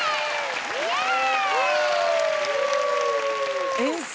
イエイ！